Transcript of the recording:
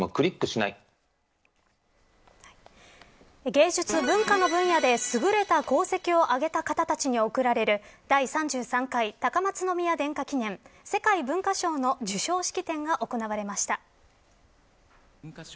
芸術文化の分野ですぐれた功績をあげた方たちに贈られる第３３回高松宮殿下記念世界文化賞の授賞式典が行われました。